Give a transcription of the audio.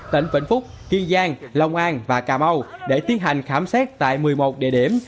tỉnh vĩnh phúc kiên giang lòng an và cà mau để tiến hành khám xét tại một mươi một địa điểm